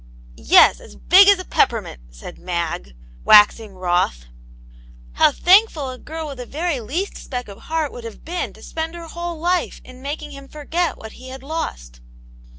" Yes, as big as a peppermint," said Mag, waxing wroth; "how thankful a girl with the very least speck of heart would have been to spend her whole life in making him forget what he had lost."